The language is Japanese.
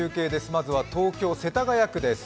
まずは東京・世田谷区です。